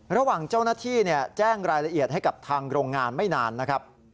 ระหว่างเจ้าหน้าที่แจ้งรายละเอียดให้กับทางโรงงานไม่นานนะครับ